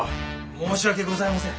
申し訳ございません。